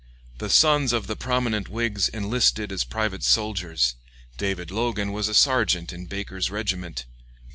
The sons of the prominent Whigs enlisted as private soldiers; David Logan was a sergeant in Baker's regiment.